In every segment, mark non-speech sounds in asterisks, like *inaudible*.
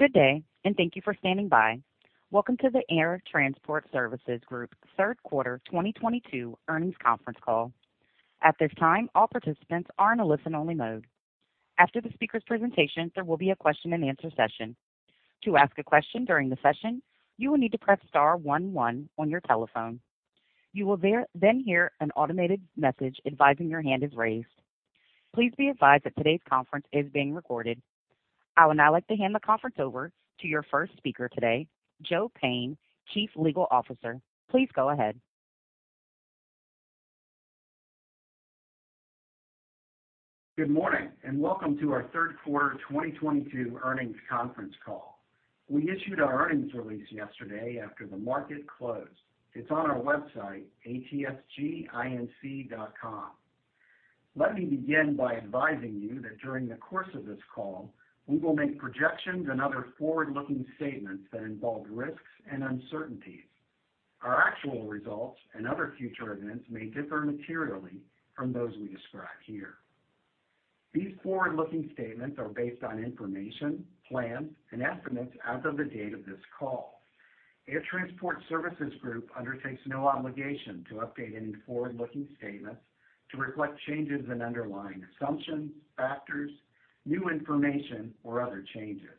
Good day, and thank you for standing by. Welcome to the Air Transport Services Group Q3 2022 Earnings Conference Call. At this time, all participants are in a listen-only mode. After the speaker's presentation, there will be a question-and-answer session. To ask a question during the session, you will need to press star one one on your telephone. You will then hear an automated message advising your hand is raised. Please be advised that today's conference is being recorded. I would now like to hand the conference over to your first speaker today, Joe Payne, Chief Legal Officer. Please go ahead. Good morning, and welcome to our Q3 2022 Earnings Conference Call. We issued our earnings release yesterday after the market closed. It's on our website, atsginc.com. Let me begin by advising you that during the course of this call, we will make projections and other forward-looking statements that involve risks and uncertainties. Our actual results and other future events may differ materially from those we describe here. These forward-looking statements are based on information, plans, and estimates as of the date of this call. Air Transport Services Group undertakes no obligation to update any forward-looking statements to reflect changes in underlying assumptions, factors, new information, or other changes.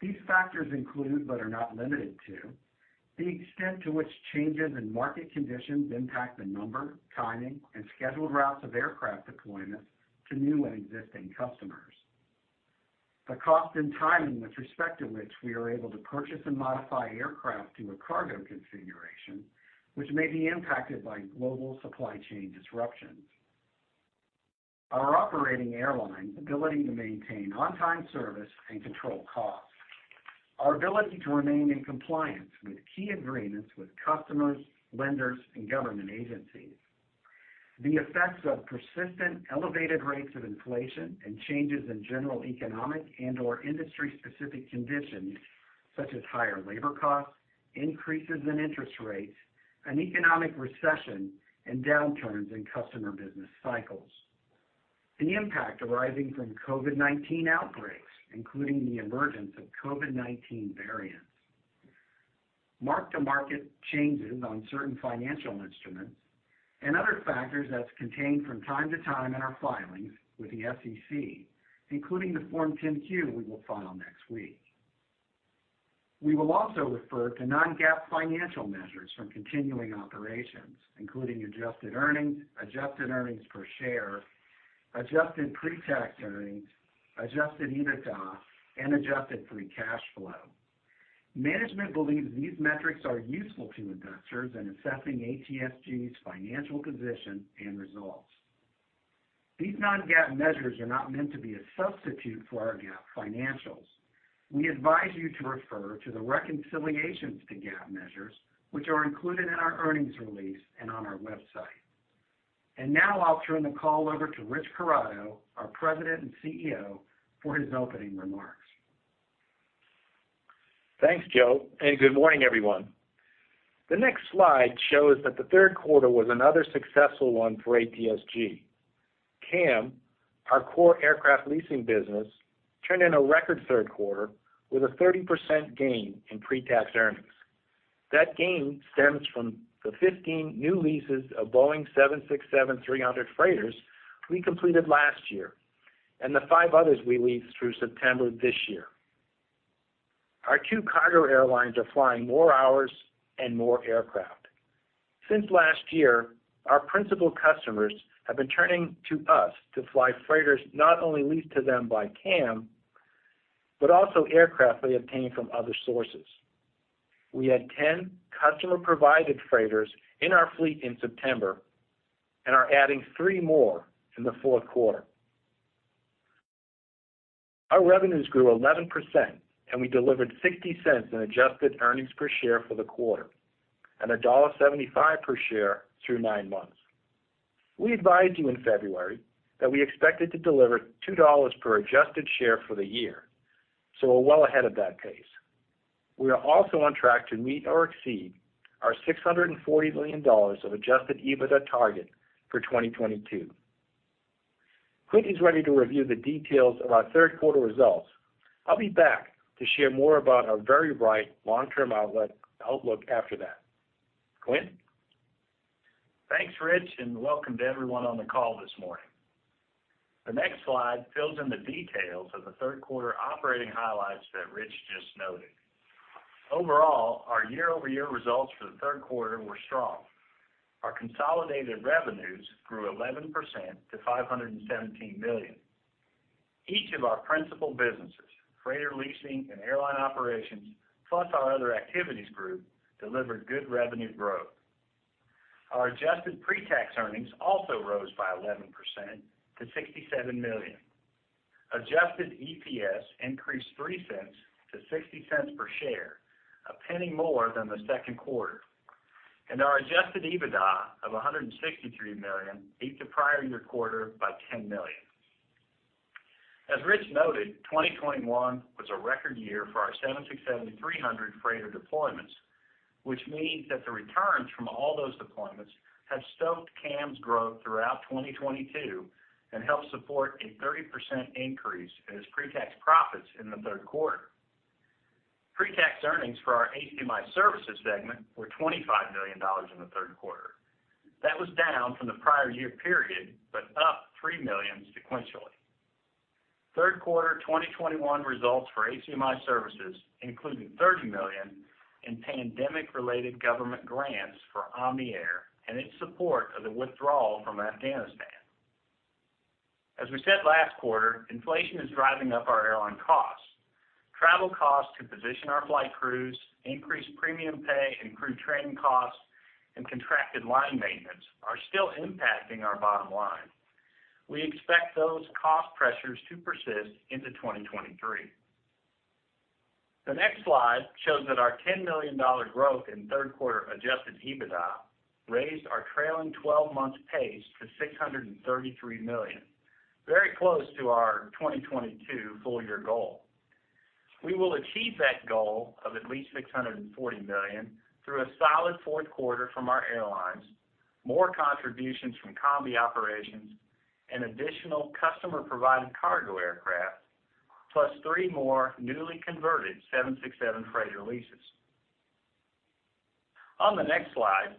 These factors include, but are not limited to, the extent to which changes in market conditions impact the number, timing, and scheduled routes of aircraft deployments to new and existing customers. The cost and timing with respect to which we are able to purchase and modify aircraft to a cargo configuration, which may be impacted by global supply chain disruptions. Our operating airline's ability to maintain on-time service and control costs. Our ability to remain in compliance with key agreements with customers, lenders, and government agencies. The effects of persistent elevated rates of inflation and changes in general economic and/or industry-specific conditions such as higher labor costs, increases in interest rates, an economic recession, and downturns in customer business cycles. The impact arising from COVID-19 outbreaks, including the emergence of COVID-19 variants. Mark-to-market changes on certain financial instruments, and other factors as contained from time to time in our filings with the SEC, including the Form 10-Q we will file next week. We will also refer to non-GAAP financial measures from continuing operations, including adjusted earnings, adjusted earnings per share, adjusted pre-tax earnings, adjusted EBITDA, and adjusted free cash flow. Management believes these metrics are useful to investors in assessing ATSG's financial position and results. These non-GAAP measures are not meant to be a substitute for our GAAP financials. We advise you to refer to the reconciliations to GAAP measures, which are included in our earnings release and on our website. Now I'll turn the call over to Rich Corrado, our President and CEO, for his opening remarks. Thanks, Joe, and good morning, everyone. The next slide shows that the Q3 was another successful one for ATSG. CAM, our core aircraft leasing business, turned in a record Q3 with a 30% gain in pre-tax earnings. That gain stems from the 15 new leases of Boeing 767-300 Freighters we completed last year and the five others we leased through September this year. Our two cargo airlines are flying more hours and more aircraft. Since last year, our principal customers have been turning to us to fly freighters not only leased to them by CAM, but also aircraft they obtained from other sources. We had 10 customer-provided freighters in our fleet in September and are adding 3 more in the Q4. Our revenues grew 11%, and we delivered $0.60 in adjusted earnings per share for the quarter and $1.75 per share through 9 months. We advised you in February that we expected to deliver $2 per adjusted share for the year, so we're well ahead of that pace. We are also on track to meet or exceed our $640 million of adjusted EBITDA target for 2022. Quint is ready to review the details of our Q3 results. I'll be back to share more about our very bright long-term outlook after that. Quint? Thanks, Rich, and welcome to everyone on the call this morning. The next slide fills in the details of the Q3 operating highlights that Rich just noted. Overall, our year-over-year results for the Q3 were strong. Our consolidated revenues grew 11% to $517 million. Each of our principal businesses, freighter leasing and airline operations, plus our other activities group, delivered good revenue growth. Our adjusted pre-tax earnings also rose by 11% to $67 million. Adjusted EPS increased 3 cents to 60 cents per share, a penny more than the Q2. Our adjusted EBITDA of $163 million beat the prior year quarter by $10 million. As Rich noted, 2021 was a record year for our 767-300 freighter deployments. Which means that the returns from all those deployments have stoked CAM's growth throughout 2022 and helped support a 30% increase in its pre-tax profits in the Q3. Pre-tax earnings for our ACMI services segment were $25 million in the Q3. That was down from the prior year period, but up $3 million sequentially. Q3 2021 results for ACMI services, including $30 million in pandemic-related government grants for Omni Air and its support of the withdrawal from Afghanistan. As we said last quarter, inflation is driving up our airline costs. Travel costs to position our flight crews, increased premium pay, improved training costs, and contracted line maintenance are still impacting our bottom line. We expect those cost pressures to persist into 2023. The next slide shows that our $10 million growth in Q3 adjusted EBITDA raised our trailing twelve months pace to $633 million, very close to our 2022 full year goal. We will achieve that goal of at least $640 million through a solid Q4 from our airlines, more contributions from combi operations and additional customer-provided cargo aircraft, plus three more newly converted 767 freighter leases. On the next slide,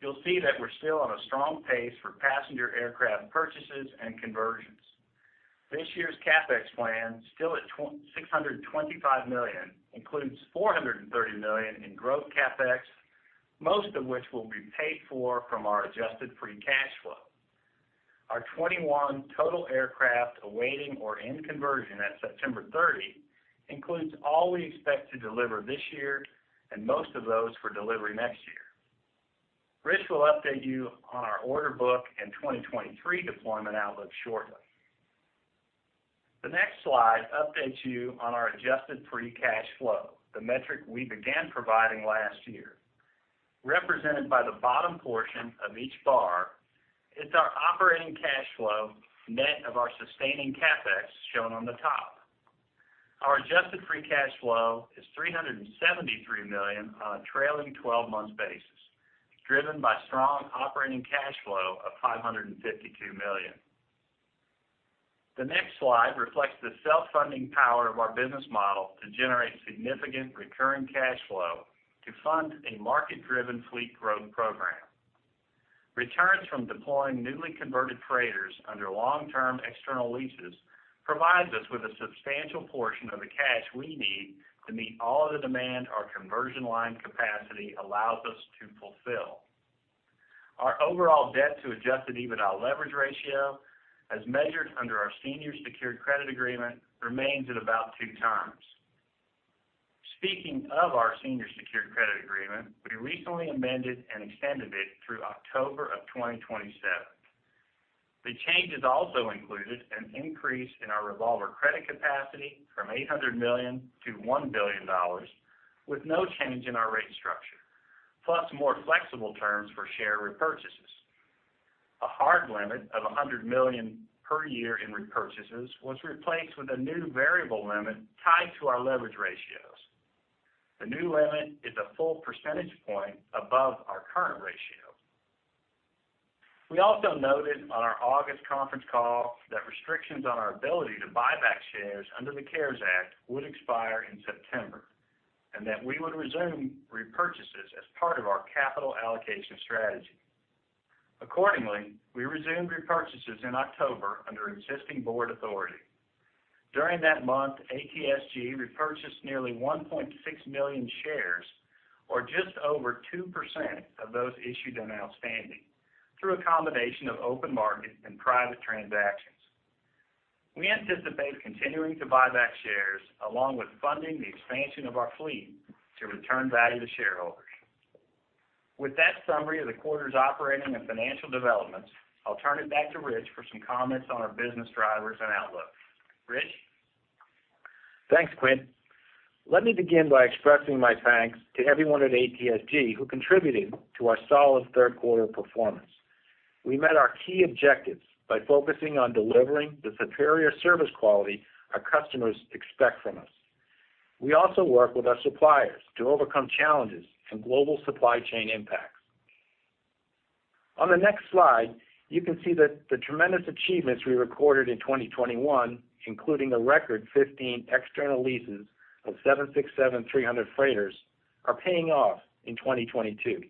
you'll see that we're still on a strong pace for passenger aircraft purchases and conversions. This year's CapEx plan, still at $625 million, includes $430 million in growth CapEx, most of which will be paid for from our adjusted free cash flow. Our 21 total aircraft awaiting or in conversion at September 30 includes all we expect to deliver this year and most of those for delivery next year. Rich will update you on our order book and 2023 deployment outlook shortly. The next slide updates you on our adjusted free cash flow, the metric we began providing last year. Represented by the bottom portion of each bar, it's our operating cash flow net of our sustaining CapEx shown on the top. Our adjusted free cash flow is $373 million on a trailing twelve-month basis, driven by strong operating cash flow of $552 million. The next slide reflects the self-funding power of our business model to generate significant recurring cash flow to fund a market-driven fleet growth program. Returns from deploying newly converted freighters under long-term external leases provides us with a substantial portion of the cash we need to meet all the demand our conversion line capacity allows us to fulfill. Our overall debt to adjusted EBITDA leverage ratio, as measured under our senior secured credit agreement, remains at about two times. Speaking of our senior secured credit agreement, we recently amended and extended it through October 2027. The changes also included an increase in our revolver credit capacity from $800 million to $1 billion with no change in our rate structure, plus more flexible terms for share repurchases. A hard limit of $100 million per year in repurchases was replaced with a new variable limit tied to our leverage ratios. The new limit is a full percentage point above our current ratio. We also noted on our August conference call that restrictions on our ability to buy back shares under the CARES Act would expire in September, and that we would resume repurchases as part of our capital allocation strategy. Accordingly, we resumed repurchases in October under existing board authority. During that month, ATSG repurchased nearly 1.6 million shares or just over 2% of those issued and outstanding through a combination of open market and private transactions. We anticipate continuing to buy back shares along with funding the expansion of our fleet to return value to shareholders. With that summary of the quarter's operating and financial developments, I'll turn it back to Rich for some comments on our business drivers and outlook. Rich? Thanks, Quint. Let me begin by expressing my thanks to everyone at ATSG who contributed to our solid Q3 performance. We met our key objectives by focusing on delivering the superior service quality our customers expect from us. We also work with our suppliers to overcome challenges and global supply chain impacts. On the next slide, you can see that the tremendous achievements we recorded in 2021, including a record 15 external leases of 767-300 freighters, are paying off in 2022.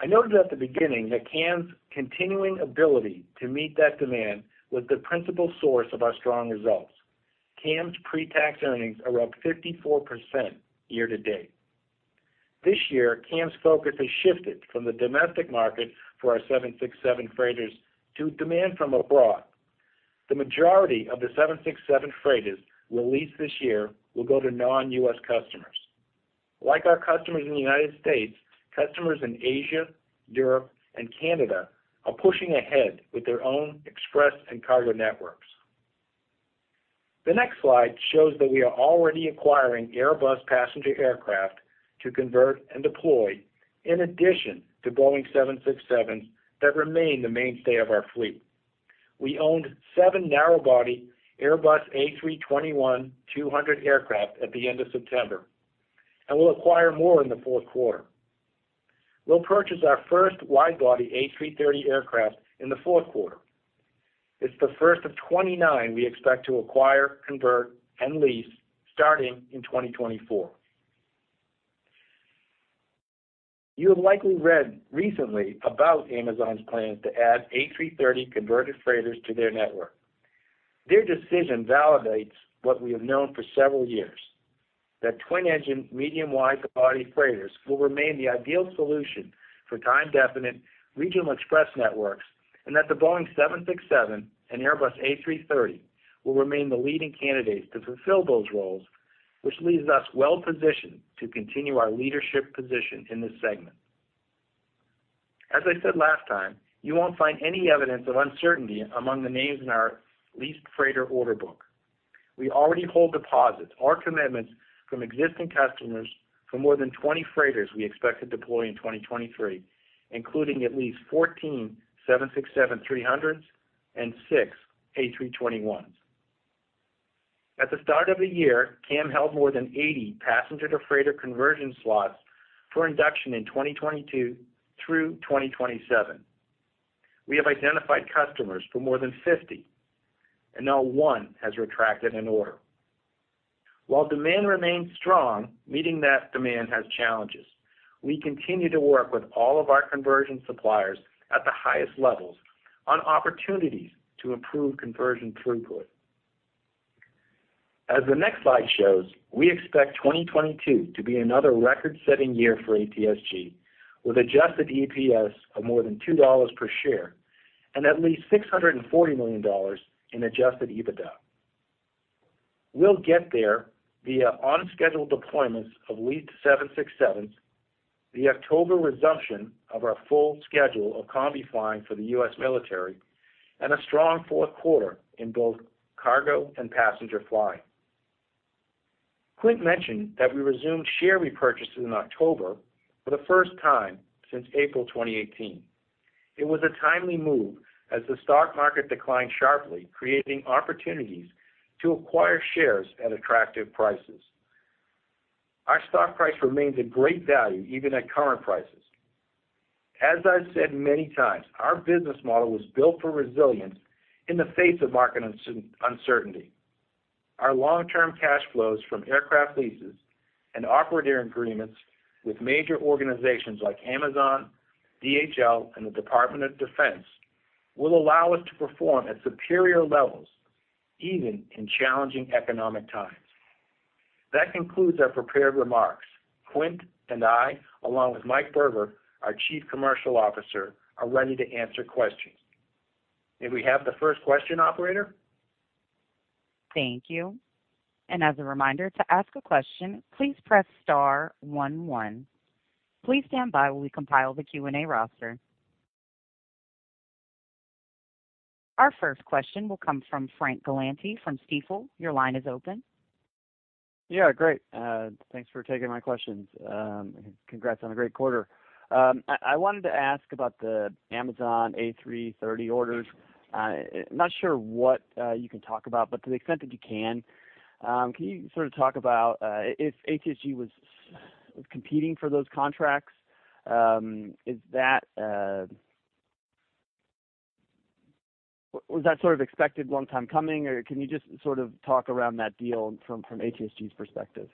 I noted at the beginning that CAM's continuing ability to meet that demand was the principal source of our strong results. CAM's pre-tax earnings are up 54% year to date. This year, CAM's focus has shifted from the domestic market for our 767 freighters to demand from abroad. The majority of the 767 freighters we'll lease this year will go to non-U.S. customers. Like our customers in the United States, customers in Asia, Europe, and Canada are pushing ahead with their own express and cargo networks. The next slide shows that we are already acquiring Airbus passenger aircraft to convert and deploy in addition to Boeing 767s that remain the mainstay of our fleet. We owned seven narrow-body Airbus A321-200 aircraft at the end of September, and we'll acquire more in the Q4. We'll purchase our first wide-body A330 aircraft in the Q4. It's the first of 29 we expect to acquire, convert, and lease starting in 2024. You have likely read recently about Amazon's plans to add A330 converted freighters to their network. Their decision validates what we have known for several years, that twin-engine, medium-wide body freighters will remain the ideal solution for time-definite regional express networks, and that the Boeing 767 and Airbus A330 will remain the leading candidates to fulfill those roles, which leaves us well-positioned to continue our leadership position in this segment. As I said last time, you won't find any evidence of uncertainty among the names in our leased freighter order book. We already hold deposits or commitments from existing customers for more than 20 freighters we expect to deploy in 2023, including at least fourteen 767-300s and six A321s. At the start of the year, CAM held more than 80 passenger-to-freighter conversion slots for induction in 2022 through 2027. We have identified customers for more than 50, and not one has retracted an order. While demand remains strong, meeting that demand has challenges. We continue to work with all of our conversion suppliers at the highest levels on opportunities to improve conversion throughput. As the next slide shows, we expect 2022 to be another record-setting year for ATSG with adjusted EPS of more than $2 per share and at least $640 million in adjusted EBITDA. We'll get there via on-schedule deployments of leased 767s, the October resumption of our full schedule of combi flying for the US military, and a strong Q4 in both cargo and passenger flying. Quint mentioned that we resumed share repurchases in October for the first time since April 2018. It was a timely move as the stock market declined sharply, creating opportunities to acquire shares at attractive prices. Our stock price remains a great value even at current prices. As I've said many times, our business model was built for resilience in the face of market uncertainty. Our long-term cash flows from aircraft leases and operator agreements with major organizations like Amazon, DHL, and the Department of Defense will allow us to perform at superior levels even in challenging economic times. That concludes our prepared remarks. Quint and I, along with Mike Berger, our Chief Commercial Officer, are ready to answer questions. May we have the first question, operator? Thank you. As a reminder, to ask a question, please press star one. Please stand by while we compile the Q&A roster. Our first question will come from Frank Galanti from Stifel. Your line is open. Yeah, great. Thanks for taking my questions. Congrats on a great quarter. I wanted to ask about the Amazon A330 orders. Not sure what you can talk about, but to the extent that you can you sort of talk about if ATSG was competing for those contracts? Was that sort of expected long time coming, or can you just sort of talk around that deal from ATSG's perspective?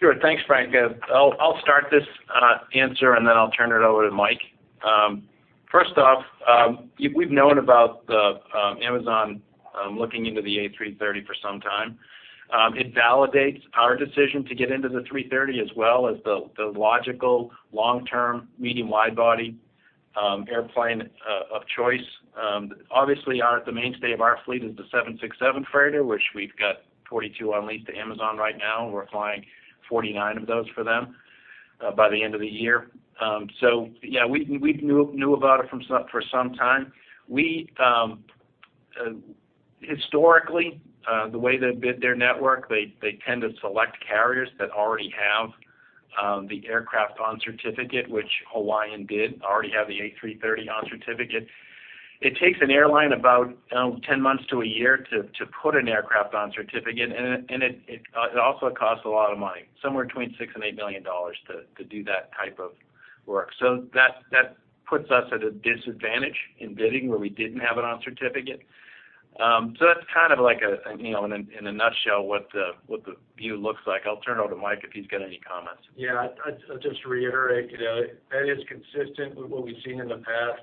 Sure. Thanks, Frank. I'll start this answer, and then I'll turn it over to Mike. First off, we've known about the Amazon looking into the A330 for some time. It validates our decision to get into the A330 as well as the logical long-term, medium-wide body airplane of choice. Obviously the mainstay of our fleet is the 767 freighter, which we've got 42 on lease to Amazon right now. We're flying 49 of those for them by the end of the year. Yeah, we knew about it for some time. Historically, the way they bid their network, they tend to select carriers that already have the aircraft on certificate, which Hawaiian did already have the A330 on certificate. It takes an airline about 10 months to a year to put an aircraft on certificate, and it also costs a lot of money, somewhere between $6 million-$8 million to do that type of work. That puts us at a disadvantage in bidding where we didn't have it on certificate. That's kind of like a you know in a nutshell what the view looks like. I'll turn it over to Mike if he's got any comments. Yeah. I'd just reiterate, you know, that is consistent with what we've seen in the past.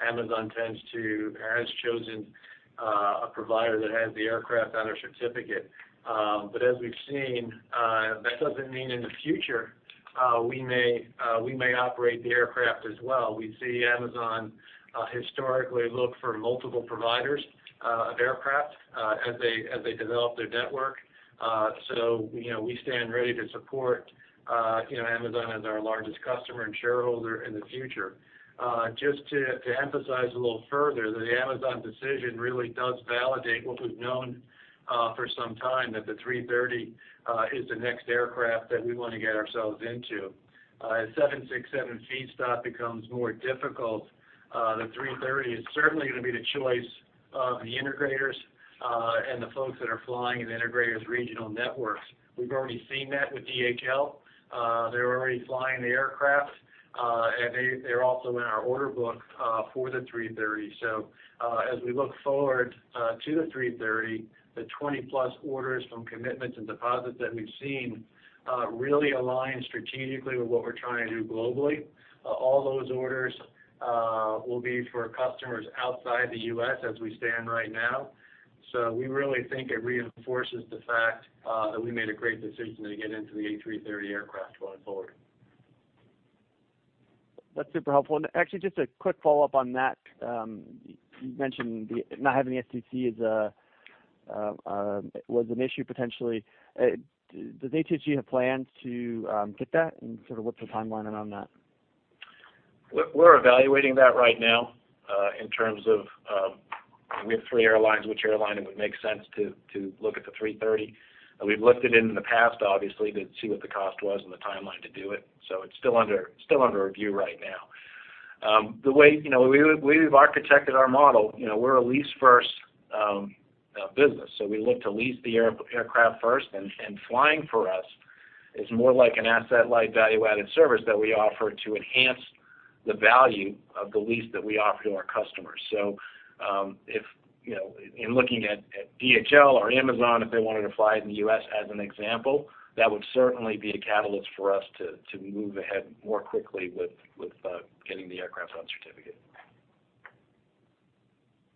Amazon has chosen a provider that has the aircraft on their certificate. But as we've seen, that doesn't mean in the future, we may operate the aircraft as well. We see Amazon historically look for multiple providers of aircraft as they develop their network. So, you know, we stand ready to support, you know, Amazon as our largest customer and shareholder in the future. Just to emphasize a little further, the Amazon decision really does validate what we've known for some time, that the A330 is the next aircraft that we want to get ourselves into. As 767 feedstock becomes more difficult, the A330 is certainly going to be the choice of the integrators and the folks that are flying the integrators' regional networks. We've already seen that with DHL. They're already flying the aircraft, and they're also in our order book for the A330. As we look forward to the A330, the 20-plus orders from commitments and deposits that we've seen really align strategically with what we're trying to do globally. All those orders will be for customers outside the U.S. as we stand right now. We really think it reinforces the fact that we made a great decision to get into the A330 aircraft going forward. That's super helpful. Actually, just a quick follow-up on that. You mentioned not having the STC was an issue potentially. Does ATSG have plans to get that? Sort of what's the timeline around that? We're evaluating that right now, in terms of, we have three airlines. Which airline it would make sense to look at the A330. We've looked at it in the past, obviously, to see what the cost was and the timeline to do it. It's still under review right now. The way, you know, we've architected our model, you know, we're a lease first business. We look to lease the aircraft first, and flying for us is more like an asset-light, value-added service that we offer to enhance the value of the lease that we offer to our customers. If you know, in looking at DHL or Amazon, if they wanted to fly it in the U.S. as an example, that would certainly be a catalyst for us to move ahead more quickly with getting the aircraft on certificate.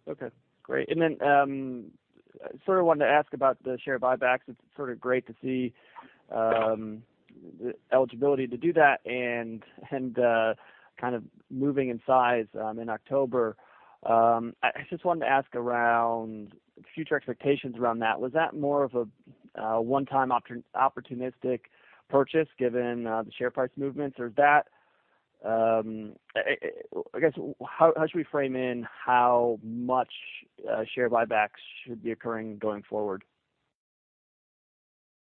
Okay, great. Sort of wanted to ask about the share buybacks. It's sort of great to see the eligibility to do that and kind of moving in size in October. I just wanted to ask around future expectations around that. Was that more of a one-time opportunistic purchase given the share price movements? Or is that, I guess, how should we frame in how much share buybacks should be occurring going forward?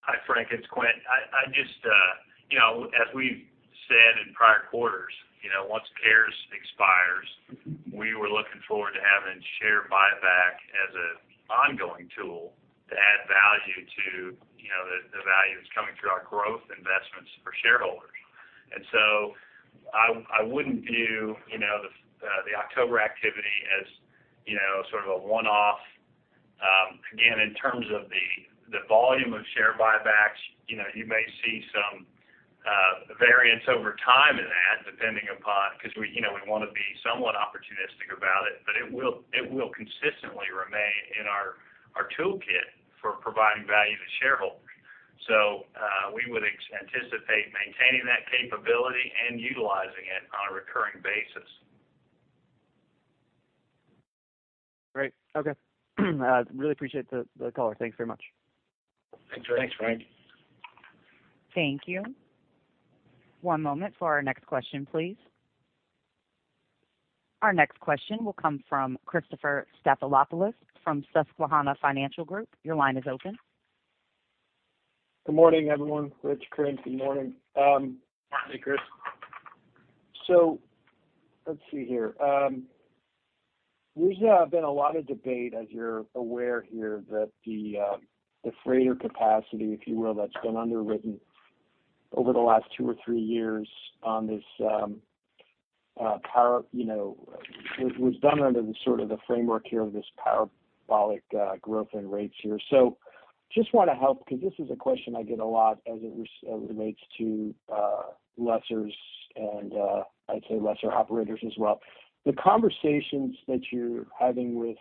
Hi, Frank, it's Quint. I just you know, as we've said in prior quarters, you know, once CARES expires, we were looking forward to having share buyback as an ongoing tool to add value to, you know, the value that's coming through our growth investments for shareholders. I wouldn't view, you know, the October activity as, you know, sort of a one-off. Again, in terms of the volume of share buybacks, you know, you may see some variance over time in that, depending upon. Because we you know, we wanna be somewhat opportunistic about it, but it will consistently remain in our toolkit for providing value to shareholders. We would anticipate maintaining that capability and utilizing it on a recurring basis. Great. Okay. Really appreciate the call. Thanks very much. Thanks, Frank. Thank you. One moment for our next question, please. Our next question will come from Christopher Stathoulopoulos from Susquehanna Financial Group. Your line is open. Good morning, everyone. Rich, Quint, good morning. Morning, Chris. Let's see here. There's been a lot of debate, as you're aware here, that the freighter capacity, if you will, that's been underwritten over the last two or three years on this power, you know, was done under the sort of the framework here of this parabolic growth in rates here. Just want to help because this is a question I get a lot as it relates to lessors and I'd say lessor operators as well. The conversations that you're having with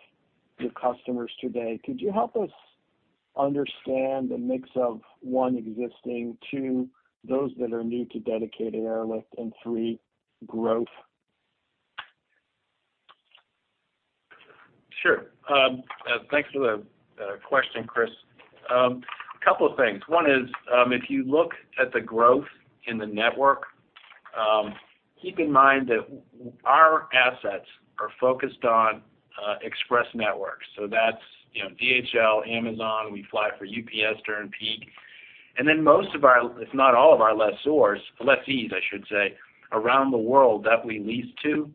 your customers today, could you help us understand the mix of, one, existing, two, those that are new to dedicated airlift, and three, growth? Sure. Thanks for the question, Chris. A couple of things. One is, if you look at the growth in the network, keep in mind that our assets are focused on express networks. That's, you know, DHL, Amazon, we fly for UPS during peak. Most of our, if not all of our lessors, lessees, I should say, around the world that we lease to,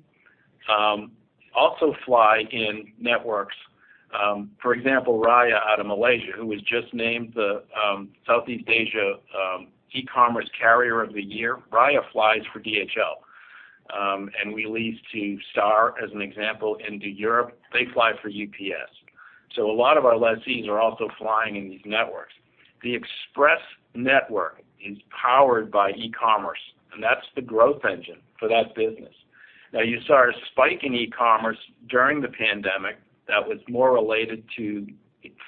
also fly in networks. For example, Raya Airways out of Malaysia, who was just named the Southeast Asia e-commerce carrier of the year. Raya flies for DHL. We lease to Star, as an example, into Europe. They fly for UPS. A lot of our lessees are also flying in these networks. The express network is powered by e-commerce, and that's the growth engine for that business. Now, you saw a spike in e-commerce during the pandemic that was more related to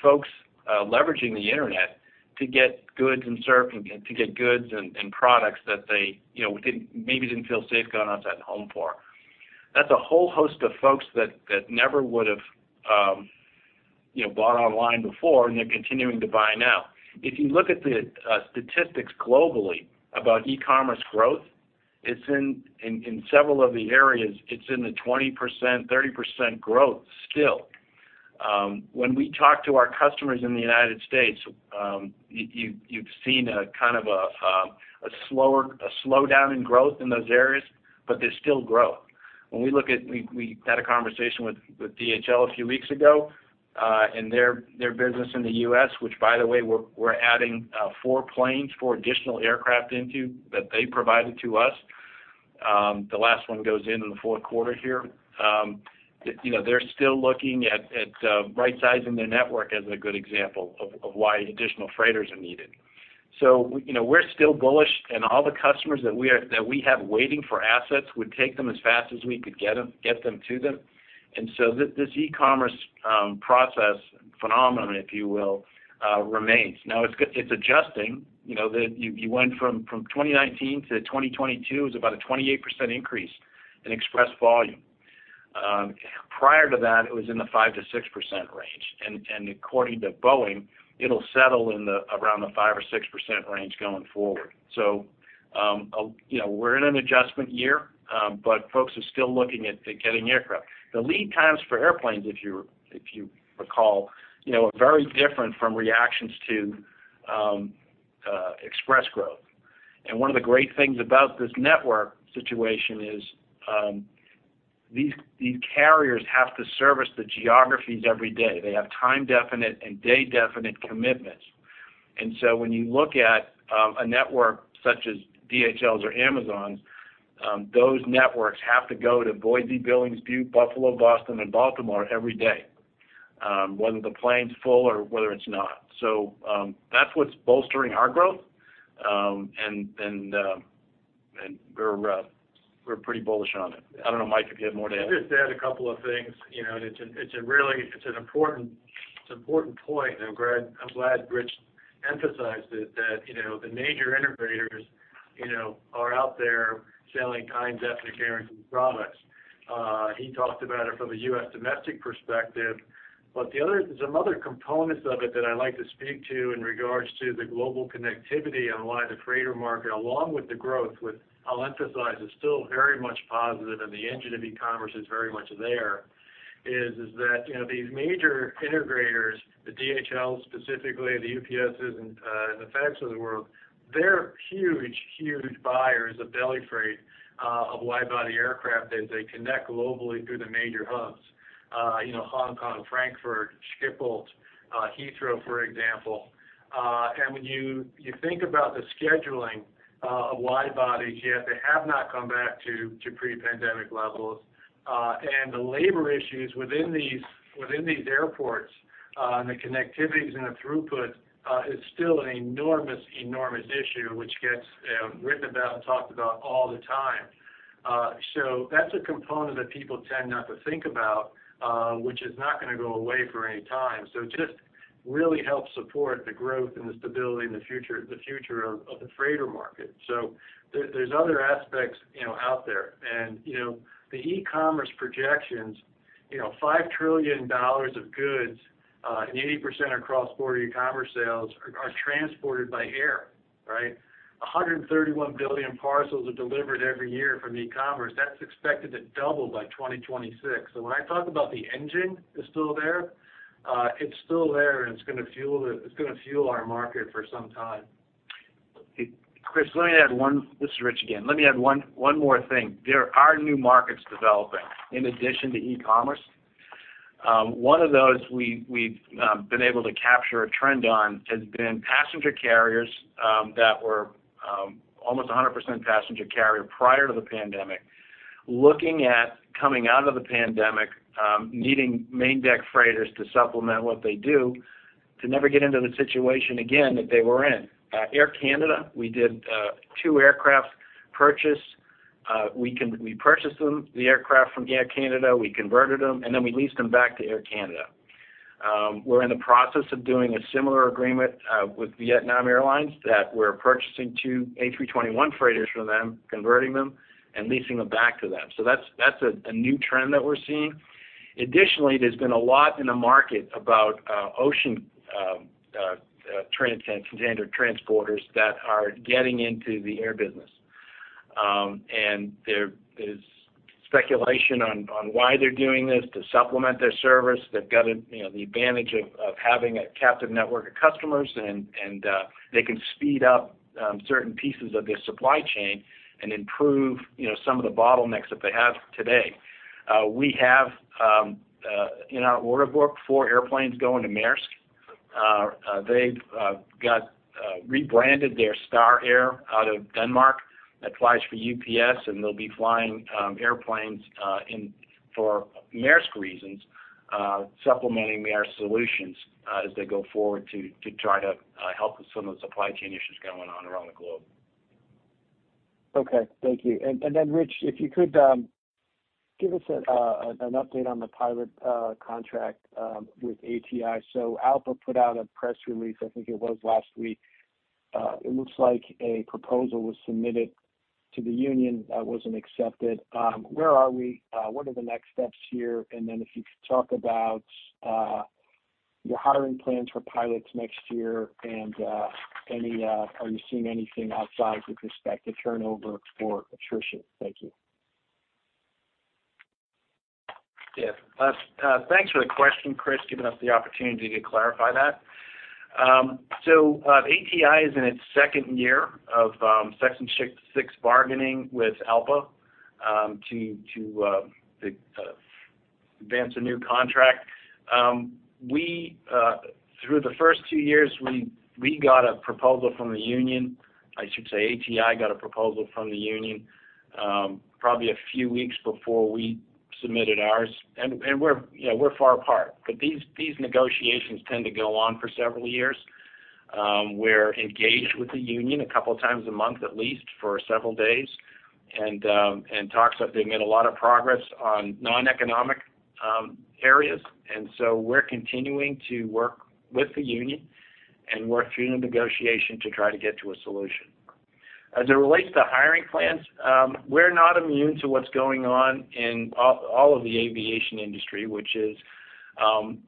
folks leveraging the internet to get goods and products that they, you know, didn't maybe feel safe going outside the home for. That's a whole host of folks that never would've, you know, bought online before, and they're continuing to buy now. If you look at the statistics globally about e-commerce growth, it's in several of the areas, it's in the 20%, 30% growth still. When we talk to our customers in the United States, you've seen a kind of a slowdown in growth in those areas, but there's still growth. We had a conversation with DHL a few weeks ago, and their business in the U.S., which by the way, we're adding four planes, four additional aircraft into that they provided to us. The last one goes into the Q4 here. You know, they're still looking at right-sizing their network as a good example of why additional freighters are needed. You know, we're still bullish, and all the customers that we have waiting for assets would take them as fast as we could get them to them. This e-commerce process phenomenon, if you will, remains. Now it's adjusting. You know, you went from 2019 to 2022, it was about a 28% increase in express volume. Prior to that, it was in the 5%-6% range. According to Boeing, it'll settle in around the 5% or 6% range going forward. You know, we're in an adjustment year, but folks are still looking at getting aircraft. The lead times for airplanes, if you recall, you know, are very different from reactions to express growth. One of the great things about this network situation is, these carriers have to service the geographies every day. They have time-definite and day-definite commitments. When you look at a network such as DHL's or Amazon's, those networks have to go to Boise, Billings, Butte, Buffalo, Boston, and Baltimore every day, whether the plane's full or whether it's not. That's what's bolstering our growth. We're pretty bullish on it. I don't know, Mike, if you have more to add. I'll just add a couple of things. You know, it's a really it's an important point, and Greg, I'm glad Rich emphasized it, that you know the major integrators you know are out there selling time-definite guaranteed products. He talked about it from a U.S. domestic perspective. Some other components of it that I'd like to speak to in regards to the global connectivity and why the freighter market, along with the growth, with I'll emphasize, is still very much positive and the engine of e-commerce is very much there, is that you know these major integrators, the DHLs specifically, the UPSs and the FedEx of the world, they're huge buyers of belly freight of wide-body aircraft as they connect globally through the major hubs. You know, Hong Kong, Frankfurt, Schiphol, Heathrow, for example. When you think about the scheduling of wide-bodies, yes, they have not come back to pre-pandemic levels. The labor issues within these airports, and the connectivities and the throughput is still an enormous issue, which gets written about and talked about all the time. That's a component that people tend not to think about, which is not gonna go away for any time. It just really helps support the growth and the stability and the future of the freighter market. There's other aspects, you know, out there. You know, the e-commerce projections, you know, $5 trillion of goods, and 80% of cross-border e-commerce sales are transported by air, right? 131 billion parcels are delivered every year from e-commerce. That's expected to double by 2026. When I talk about the engine is still there, it's still there, and it's gonna fuel our market for some time. Chris, let me add one. This is Rich again. Let me add one more thing. There are new markets developing in addition to e-commerce. One of those we've been able to capture a trend on has been passenger carriers that were almost 100% passenger carrier prior to the pandemic, looking at coming out of the pandemic, needing main deck freighters to supplement what they do to never get into the situation again that they were in. Air Canada, we did two aircraft purchase. We purchased the aircraft from Air Canada, we converted them, and then we leased them back to Air Canada. We're in the process of doing a similar agreement with Vietnam Airlines that we're purchasing two A321 freighters from them, converting them, and leasing them back to them. That's a new trend that we're seeing. Additionally, there's been a lot in the market about ocean container transporters that are getting into the air business. There is speculation on why they're doing this to supplement their service. They've got, you know, the advantage of having a captive network of customers and they can speed up certain pieces of their supply chain and improve, you know, some of the bottlenecks that they have today. We have in our order book four airplanes going to Maersk. They've got rebranded their Star Air out of Denmark that flies for UPS, and they'll be flying airplanes in for Maersk reasons, supplementing Maersk solutions, as they go forward to try to help with some of the supply chain issues going on around the globe. Okay. Thank you. Rich, if you could give us an update on the pilot contract with ATI. ALPA put out a press release, I think it was last week. It looks like a proposal was submitted to the union that wasn't accepted. Where are we? What are the next steps here? If you could talk about your hiring plans for pilots next year and any are you seeing anything outsized with respect to turnover or attrition? Thank you. Yeah. Thanks for the question, Chris, giving us the opportunity to clarify that. ATI is in its second year of Section 6 bargaining with ALPA to advance a new contract. Through the first two years, we got a proposal from the union. I should say ATI got a proposal from the union, probably a few weeks before we submitted ours. We're, you know, far apart. These negotiations tend to go on for several years. We're engaged with the union a couple times a month, at least, for several days. Talks have made a lot of progress on non-economic areas. We're continuing to work with the union and work through the negotiation to try to get to a solution. As it relates to hiring plans, we're not immune to what's going on in all of the aviation industry, which is,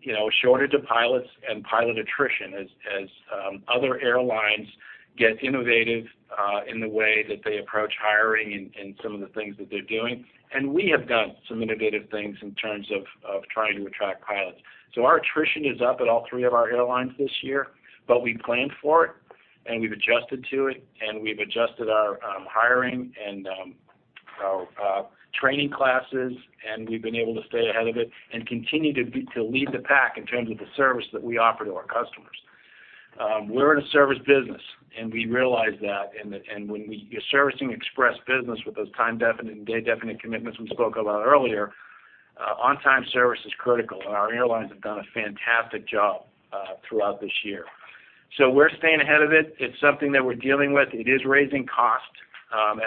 you know, a shortage of pilots and pilot attrition as other airlines get innovative in the way that they approach hiring and some of the things that they're doing. We have done some innovative things in terms of trying to attract pilots. Our attrition is up at all three of our airlines this year, but we planned for it, and we've adjusted to it, and we've adjusted our hiring and our training classes, and we've been able to stay ahead of it and continue to lead the pack in terms of the service that we offer to our customers. We're in a service business, and we realize that, and when we're servicing express business with those time-definite and day-definite commitments we spoke about earlier, on-time service is critical, and our airlines have done a fantastic job throughout this year. We're staying ahead of it. It's something that we're dealing with. It is raising costs,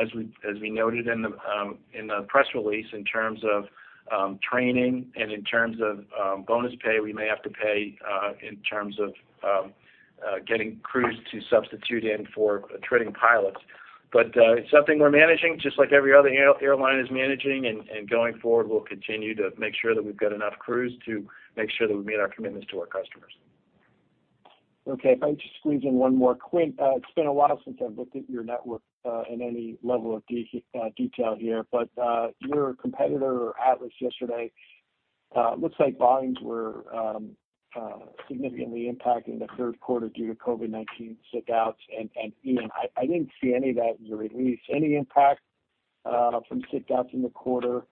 as we noted in the press release, in terms of training and in terms of bonus pay we may have to pay, in terms of getting crews to substitute in for attriting pilots. It's something we're managing just like every other airline is managing. Going forward, we'll continue to make sure that we've got enough crews to make sure that we meet our commitments to our customers. Okay. If I could just squeeze in one more, Quint. It's been a while since I've looked at your network in any level of detail here. Your competitor, Atlas, yesterday looks like volumes were significantly impacted in the Q3 due to COVID-19 sick outs and Ian. I didn't see any of that in your release. Any impact from sick outs in the quarter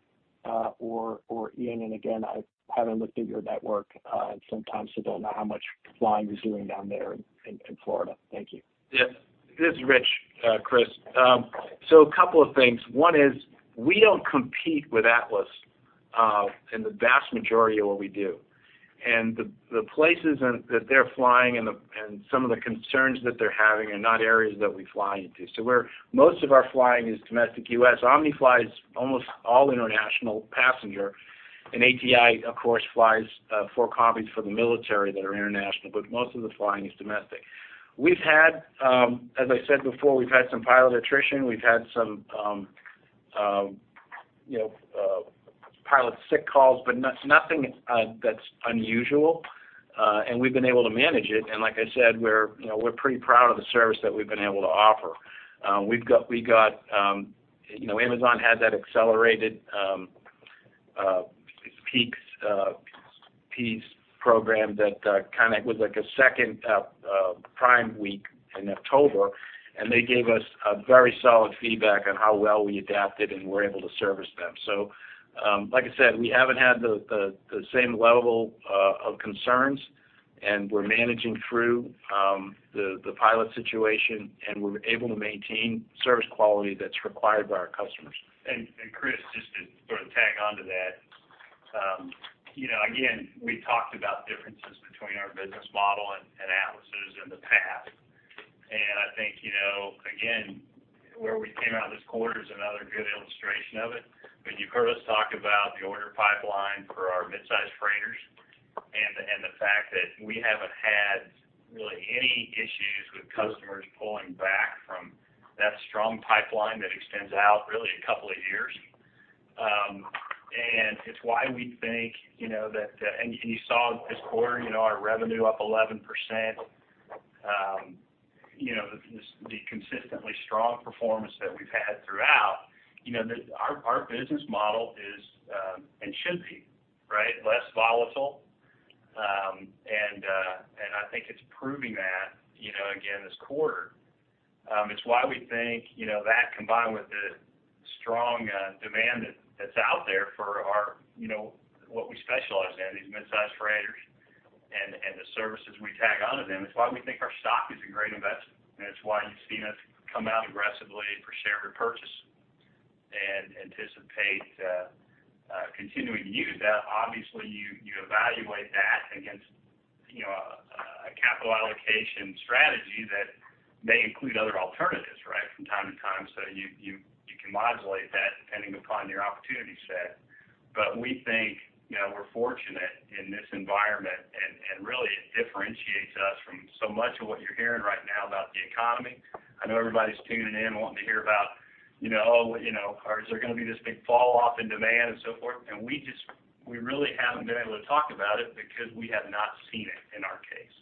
or Ian? Again, I haven't looked at your network in some time, so don't know how much flying you're doing down there in Florida. Thank you. Yes. This is Rich, Chris. A couple of things. One is we don't compete with Atlas Air in the vast majority of what we do. The places that they're flying and some of the concerns that they're having are not areas that we fly into. Most of our flying is domestic U.S. Omni flies almost all international passenger. ATI, of course, flies for CRAF for the military that are international, but most of the flying is domestic. We've had, as I said before, some pilot attrition. We've had some, you know, pilot sick calls, but nothing that's unusual. We've been able to manage it. Like I said, we're, you know, pretty proud of the service that we've been able to offer. we got, you know, Amazon had that accelerated peaks piece program that kind of was like a second Prime week in October, and they gave us a very solid feedback on how well we adapted and were able to service them. Like I said, we haven't had the same level of concerns, and we're managing through the pilot situation, and we're able to maintain service quality that's required by our customers. Chris, just to sort of tag on to that. You know, again, we talked about differences between our business model and Atlas in the past. I think, you know, again, where we came out this quarter is another good illustration of it. You've heard us talk about the order pipeline for our midsize freighters and the fact that we haven't had really any issues with customers pulling back from that strong pipeline that extends out really a couple of years. It's why we think, you know, that you saw this quarter, you know, our revenue up 11%. You know, this, the consistently strong performance that we've had throughout, you know, our business model is and should be, right, less volatile. I think it's proving that, you know, again, this quarter. It's why we think, you know, that combined with the strong demand that's out there for our, you know, what we specialize in, these midsize freighters and the services we tag onto them. It's why we think our stock is a great investment, and it's why you've seen us come out aggressively for share repurchase and anticipate continuing to use that. Obviously, you can modulate that depending upon your opportunity set. We think, you know, we're fortunate in this environment, and really it differentiates us from so much of what you're hearing right now about the economy. I know everybody's tuning in wanting to hear about. You know, or is there going to be this big fall off in demand and so forth? We really haven't been able to talk about it because we have not seen it in our case.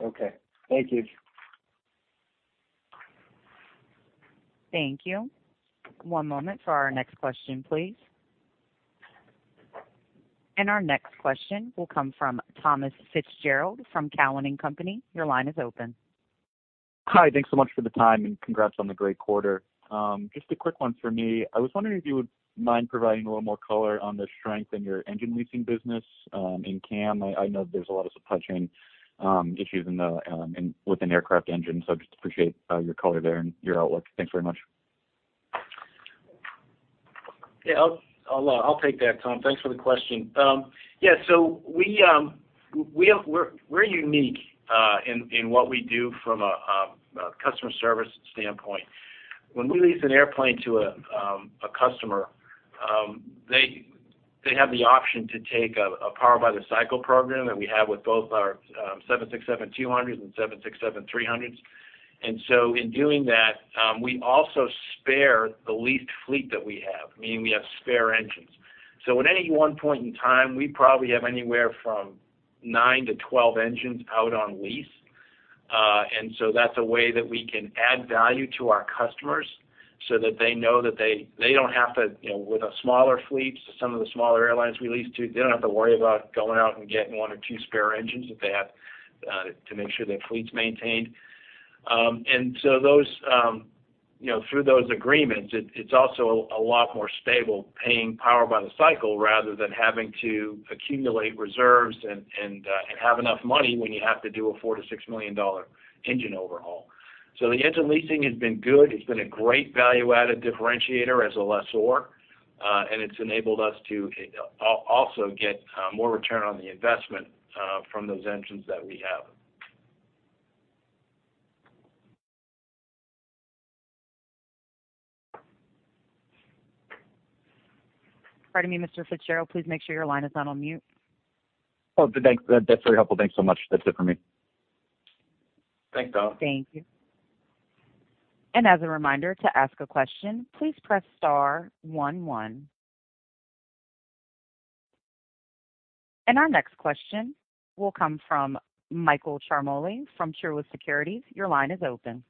Okay. Thank you. Thank you. One moment for our next question, please. Our next question will come from Tom Fitzgerald from Cowen and Company. Your line is open. Hi. Thanks so much for the time, and congrats on the great quarter. Just a quick one for me. I was wondering if you would mind providing a little more color on the strength in your engine leasing business in CAM. I know there's a lot of supply chain issues with an aircraft engine, so I just appreciate your color there and your outlook. Thanks very much. Yeah. I'll take that, Tom. Thanks for the question. Yeah, we're unique in what we do from a customer service standpoint. When we lease an airplane to a customer, they have the option to take a power-by-the-hour program that we have with both our 767-200s and 767-300s. In doing that, we also spare the leased fleet that we have, meaning we have spare engines. At any one point in time, we probably have anywhere from nine to 12 engines out on lease. That's a way that we can add value to our customers so that they know that they don't have to, you know, with the smaller fleets, some of the smaller airlines we lease to, they don't have to worry about going out and getting one or two spare engines if they have to make sure their fleet's maintained. Those, you know, through those agreements, it's also a lot more stable paying power by the hour rather than having to accumulate reserves and have enough money when you have to do a $4 million-$6 million engine overhaul. The engine leasing has been good. It's been a great value-added differentiator as a lessor, and it's enabled us to also get more return on the investment from those engines that we have. Pardon me, Mr. Fitzgerald, please make sure your line is not on mute. Oh, thanks. That's very helpful. Thanks so much. That's it for me. Thanks, Tom. Thank you. As a reminder, to ask a question, please press star one. Our next question will come from Michael Charmoli from Truist Securities. Your line is open.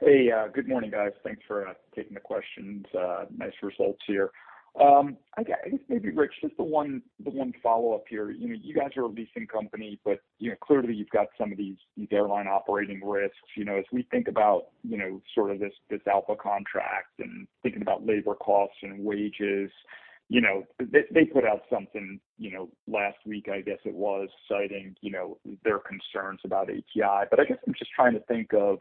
Hey. Good morning, guys. Thanks for taking the questions. Nice results here. I guess maybe, Rich, just the one follow-up here. You know, you guys are a leasing company, but you know, clearly you've got some of these airline operating risks, you know. As we think about, you know, sort of this ALPA contract and thinking about labor costs and wages, you know, they put out something, you know, last week, I guess it was, citing, you know, their concerns about ATI. I guess I'm just trying to think of,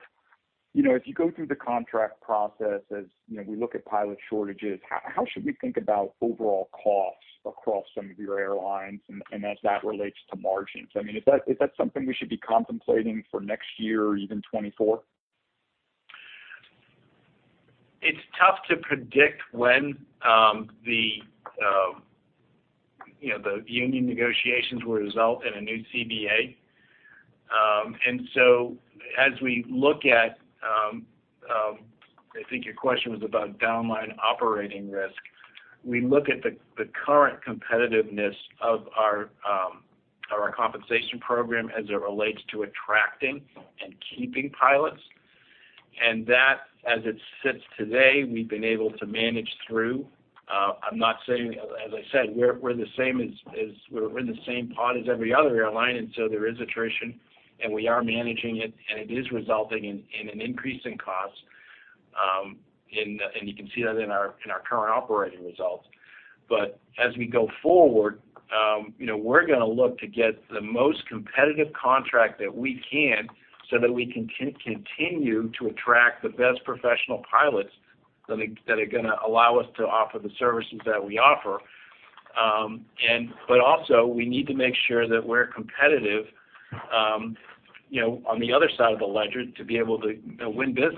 you know, as you go through the contract process, as you know, we look at pilot shortages, how should we think about overall costs across some of your airlines and as that relates to margins? I mean, is that something we should be contemplating for next year or even 2024? It's tough to predict when, you know, the union negotiations will result in a new CBA. I think your question was about downline operating risk. We look at the current competitiveness of our compensation program as it relates to attracting and keeping pilots. That, as it sits today, we've been able to manage through. As I said, we're in the same boat as every other airline, so there is attrition, and we are managing it, and it is resulting in an increase in cost. You can see that in our current operating results. As we go forward, you know, we're going to look to get the most competitive contract that we can so that we can continue to attract the best professional pilots that are gonna allow us to offer the services that we offer. But also, we need to make sure that we're competitive, you know, on the other side of the ledger to be able to, you know, win business.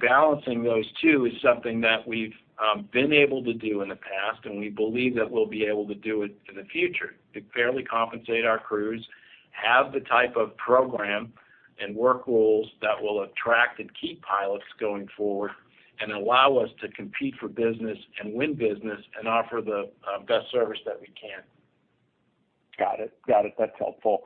Balancing those two is something that we've been able to do in the past, and we believe that we'll be able to do it in the future, to fairly compensate our crews, have the type of program and work rules that will attract and keep pilots going forward and allow us to compete for business and win business and offer the best service that we can. Got it. That's helpful.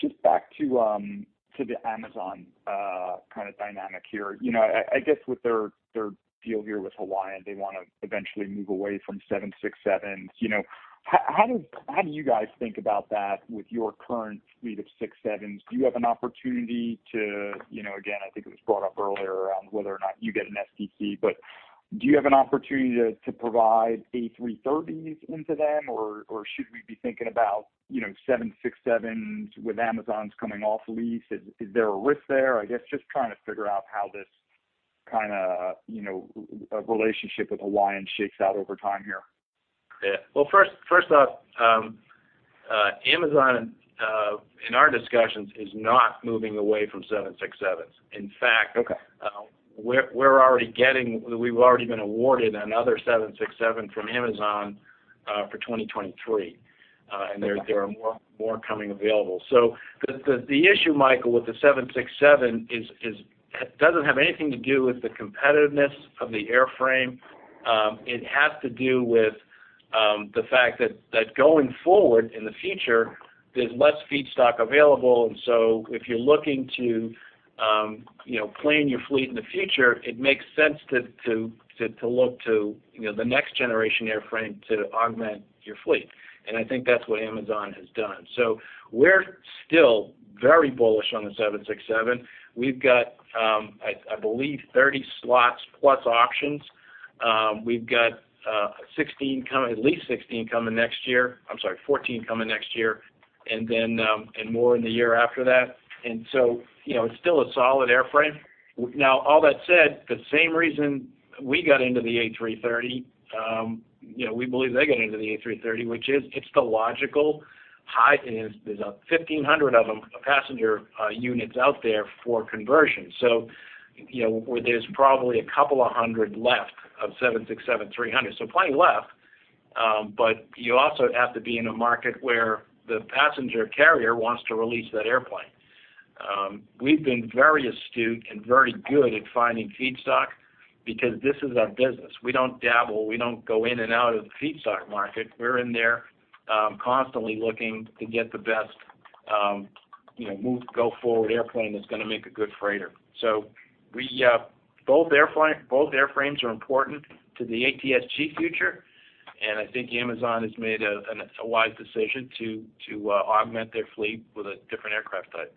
Just back to the Amazon kind of dynamic here. You know, I guess with their deal here with Hawaiian, they want to eventually move away from 767s. You know, how do you guys think about that with your current fleet of 767s? Do you have an opportunity to, you know, again, I think it was brought up earlier around whether or not you get an STC, but do you have an opportunity to provide A330s into them, or should we be thinking about, you know, 767s with Amazon's coming off lease? Is there a risk there? I guess just trying to figure out how this kind of, you know, relationship with Hawaiian shakes out over time here. Yeah. Well, first off, Amazon, in our discussions, is not moving away from 767s. In fact. Okay. We're already getting. We've already been awarded another 767 from Amazon for 2023. And there are more coming available. The issue, Michael, with the 767 is—it doesn't have anything to do with the competitiveness of the airframe. It has to do with the fact that going forward in the future, there's less feedstock available. If you're looking to, you know, plan your fleet in the future, it makes sense to look to, you know, the next generation airframe to augment your fleet. I think that's what Amazon has done. We're still very bullish on the 767. We've got, I believe 30 slots plus options. We've got, at least 16 coming next year. I'm sorry, 14 coming next year, and then and more in the year after that. You know, it's still a solid airframe. Now all that said, the same reason we got into the A330, you know, we believe they got into the A330, which is it's the logical high, and there's 1,500 of them, passenger units out there for conversion. You know, where there's probably a couple of hundred left of 767-300, so plenty left. You also have to be in a market where the passenger carrier wants to release that airplane. We've been very astute and very good at finding feedstock because this is our business. We don't dabble. We don't go in and out of the feedstock market. We're in there constantly looking to get the best you know go-forward airplane that's gonna make a good freighter. We both airframes are important to the ATSG future, and I think Amazon has made a wise decision to augment their fleet with a different aircraft type.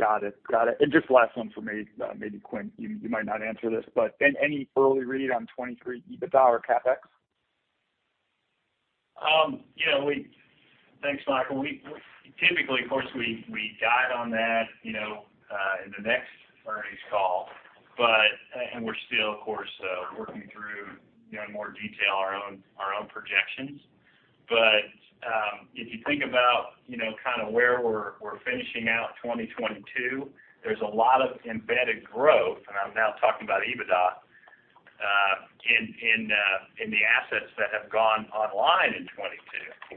Got it. Got it. Just last one for me, maybe Quint, you might not answer this, but any early read on 2023 EBITDA or CapEx? Thanks, Michael. We typically, of course, guide on that, you know, in the next earnings call. We're still, of course, working through, you know, in more detail our own projections. If you think about, you know, kind of where we're finishing out 2022, there's a lot of embedded growth, and I'm now talking about EBITDA in the assets that have gone online in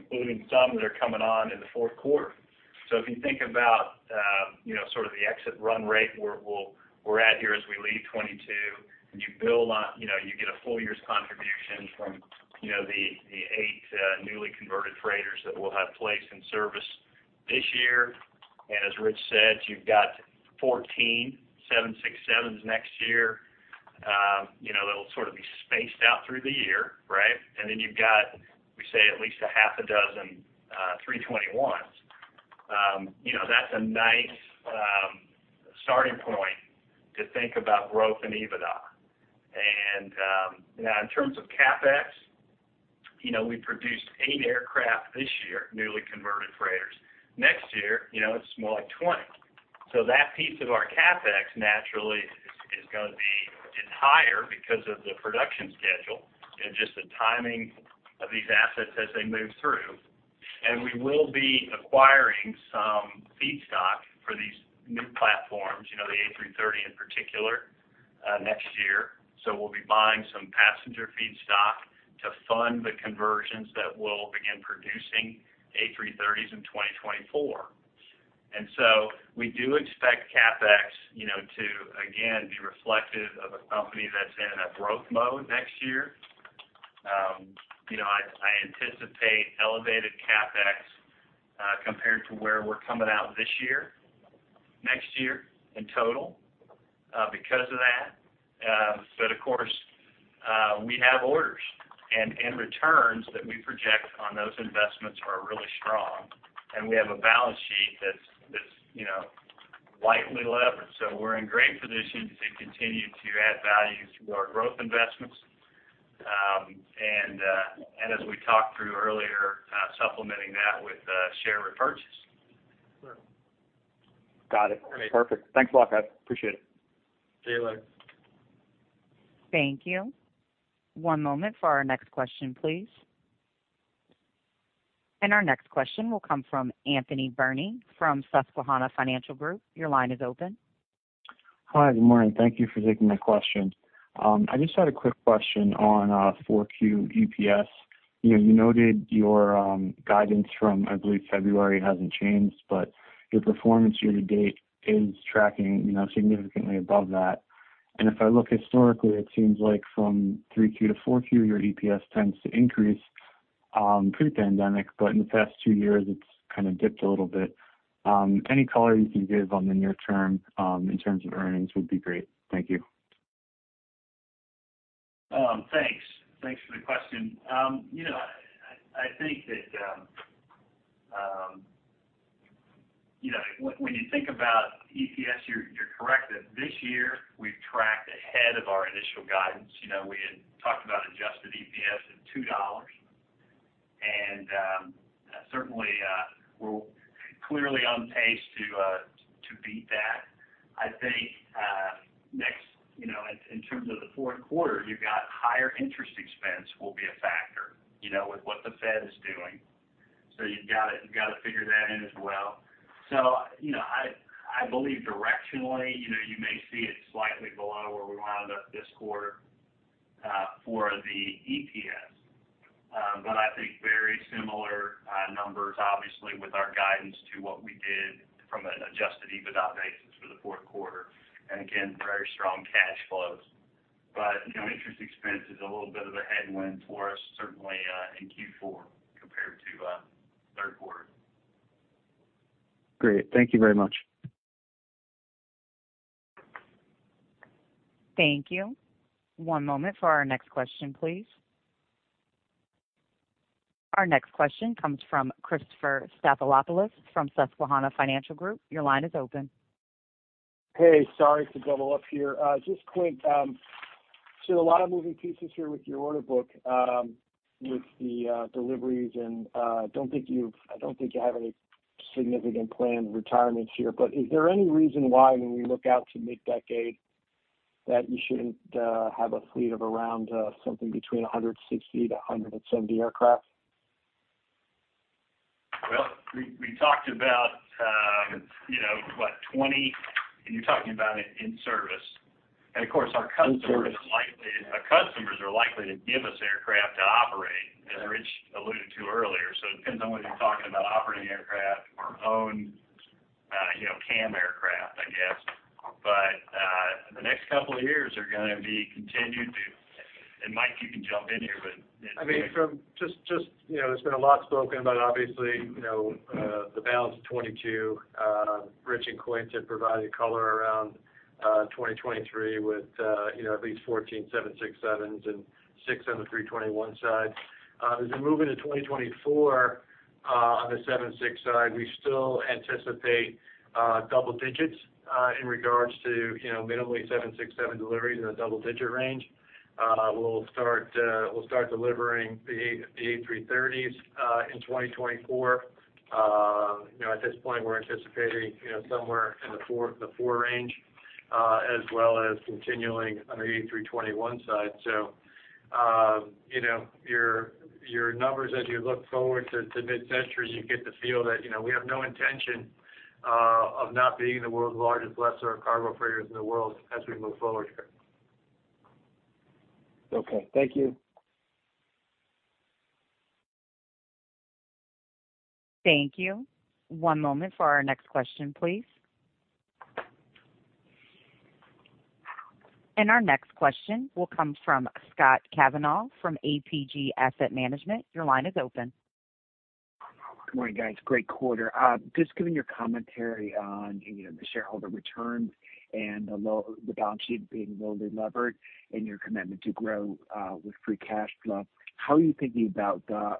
2022, including some that are coming on in the Q4. If you think about, you know, sort of the exit run rate where we're at here as we leave 2022, and you build on, you know, you get a full year's contribution from, you know, the eight newly converted freighters that we'll have placed in service this year. As Rich said, you've got 14 767s next year. You know, that'll sort of be spaced out through the year, right? Then you've got, we say, at least six A321s. You know, that's a nice starting point to think about growth in EBITDA. Now in terms of CapEx, you know, we produced eight aircraft this year, newly converted freighters. Next year, you know, it's more like 20. So that piece of our CapEx naturally is gonna be higher because of the production schedule and just the timing of these assets as they move through. We will be acquiring some feedstock for these new platforms, you know, the A330 in particular, next year. So we'll be buying some passenger feedstock to fund the conversions that we'll begin producing A330s in 2024. We do expect CapEx, you know, to again be reflective of a company that's in a growth mode next year. You know, I anticipate elevated CapEx compared to where we're coming out this year, next year in total because of that. Of course, we have orders and returns that we project on those investments are really strong. We have a balance sheet that's you know, lightly leveraged. We're in great position to continue to add value through our growth investments. As we talked through earlier, supplementing that with share repurchase. Got it. Great. Perfect. Thanks a lot, guys. Appreciate it. See you later. Thank you. One moment for our next question, please. Our next question will come from Anthony Berney from Susquehanna Financial Group. Your line is open. Hi. Good morning. Thank you for taking my question. I just had a quick question on 4Q EPS. You know, you noted your guidance from, I believe, February hasn't changed, but your performance year to date is tracking, you know, significantly above that. If I look historically, it seems like from 3Q to 4Q, your EPS tends to increase pre-pandemic, but in the past two years, it's kind of dipped a little bit? Any color you can give on the near term in terms of earnings would be great. Thank you. Thanks. Thanks for the question. You know, I think that you know, when you think about EPS, you're correct that this year we've tracked ahead of our initial guidance. You know, we had talked about adjusted EPS of $2, and certainly, we're clearly on pace to beat that. I think next, you know, in terms of the Q4, you've got higher interest expense will be a factor, you know, with what the Fed is doing. You've gotta figure that in as well. You know, I believe directionally, you know, you may see it slightly below where we wound up this quarter for the EPS. I think very similar numbers, obviously, with our guidance to what we did from an adjusted EBITDA basis for the Q4. Again, very strong cash flows. You know, interest expense is a little bit of a headwind for us, certainly, in Q4 compared to Q3. Great. Thank you very much. Thank you. One moment for our next question, please. Our next question comes from Christopher Stathoulopoulos from Susquehanna Financial Group. Your line is open. Hey, sorry to double up here. Just quick, a lot of moving pieces here with your order book, with the deliveries, and I don't think you have any significant planned retirements here. Is there any reason why when we look out to mid-decade that you shouldn't have a fleet of around something between 160-170 aircraft? Well, we talked about, you know, what? 20. You're talking about it in service. Of course, our customers- In service. *crosstalk* Our customers are likely to give us aircraft to operate, as Rich alluded to earlier. It depends on whether you're talking about operating aircraft or owned CAM aircraft, I guess. The next couple of years are gonna be continued to. Mike, you can jump in here, but- I mean, from just, you know, there's been a lot spoken, but obviously, you know, the balance of 2022, Rich and Quint have provided color around 2023 with, you know, at least 14 767s and six on the A321 side. As we move into 2024, on the 767 side, we still anticipate double digits in regards to, you know, minimally 767 deliveries in a double-digit range. We'll start delivering the A330s in 2024. You know, at this point, we're anticipating, you know, somewhere in the four range as well as continuing on the A321 side. You know, your numbers as you look forward to mid-decade, you get the feel that, you know, we have no intention of not being the world's largest lessor cargo freighters in the world as we move forward here. Okay. Thank you. Thank you. One moment for our next question, please. Our next question will come from Scott Cavanagh from APG Asset Management. Your line is open. Good morning, guys. Great quarter. Just given your commentary on, you know, the shareholder returns and the balance sheet being lowly levered and your commitment to grow with free cash flow, how are you thinking about the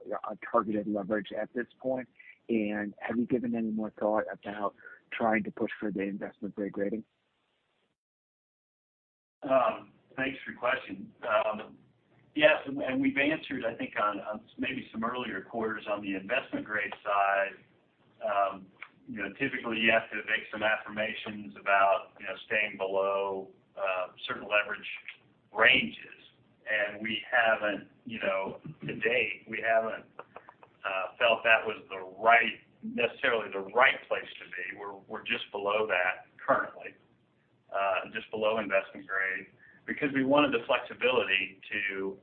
targeted leverage at this point? And have you given any more thought about trying to push for the investment-grade rating? Thanks for your question. Yes, we've answered, I think, on maybe some earlier quarters on the investment grade side. You know, typically, you have to make some affirmations about, you know, staying below certain leverage ranges. We haven't, you know, to date, felt that was necessarily the right place to be. We're just below that currently, just below investment grade, because we wanted the flexibility to,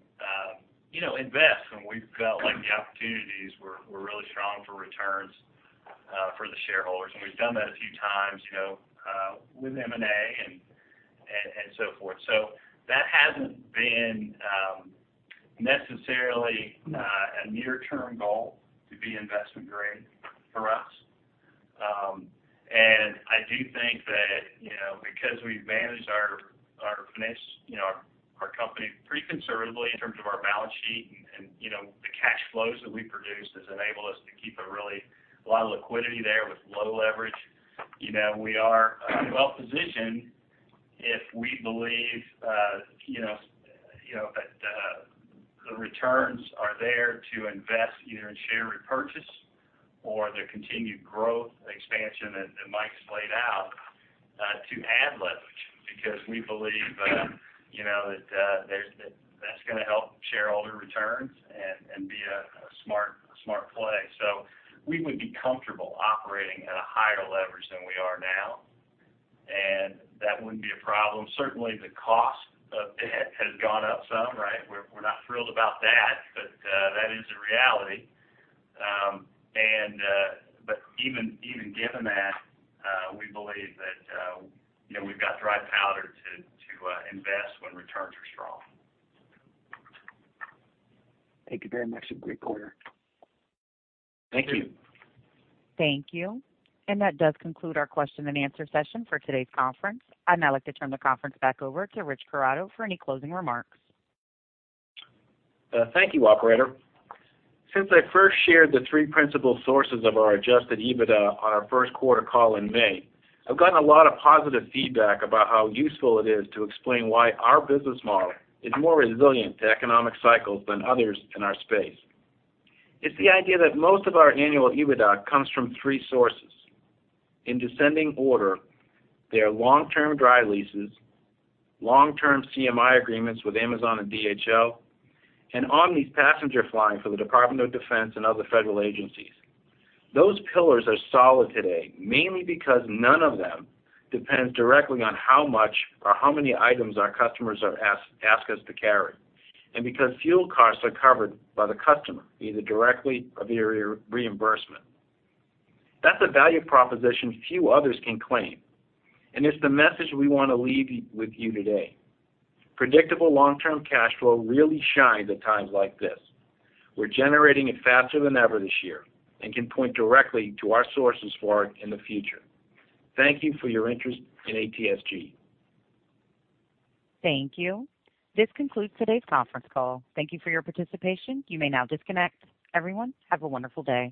you know, invest when we felt like the opportunities were really strong for returns for the shareholders. We've done that a few times, you know, with M&A and so forth. That hasn't been necessarily a near-term goal to be investment grade for us. I do think that, you know, because we've managed our finance, you know, our company pretty conservatively in terms of our balance sheet and, you know, the cash flows that we produce has enabled us to keep a lot of liquidity there with low leverage. You know, we are well-positioned if we believe, you know, that the returns are there to invest either in share repurchase or the continued growth expansion that Mike's laid out to add leverage because we believe, you know, that that's gonna help shareholder returns and be a smart play. We would be comfortable operating at a higher leverage than we are now, and that wouldn't be a problem. Certainly, the cost of debt has gone up some, right? We're not thrilled about that, but that is a reality. Even given that, we believe that, you know, we've got dry powder to invest when returns are strong. Thank you very much. A great quarter. Thank you. Thank you. That does conclude our question and answer session for today's conference. I'd now like to turn the conference back over to Rich Corrado for any closing remarks. Thank you, operator. Since I first shared the three principal sources of our adjusted EBITDA on our Q1 call in May, I've gotten a lot of positive feedback about how useful it is to explain why our business model is more resilient to economic cycles than others in our space. It's the idea that most of our annual EBITDA comes from three sources. In descending order, they are long-term dry leases, long-term CMI agreements with Amazon and DHL, and Omni passenger flying for the Department of Defense and other federal agencies. Those pillars are solid today, mainly because none of them depends directly on how much or how many items our customers are asking us to carry, and because fuel costs are covered by the customer, either directly or via reimbursement. That's a value proposition few others can claim, and it's the message we wanna leave with you today. Predictable long-term cash flow really shines at times like this. We're generating it faster than ever this year and can point directly to our sources for it in the future. Thank you for your interest in ATSG. Thank you. This concludes today's conference call. Thank you for your participation. You may now disconnect. Everyone, have a wonderful day.